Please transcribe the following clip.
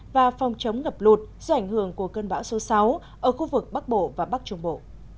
và phòng chống ngập lụt do ảnh hưởng của cơn bão số sáu ở khu vực bắc bộ và bắc trung bộ